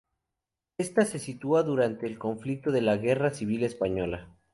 Esta se sitúa durante el conflicto de la guerra civil española.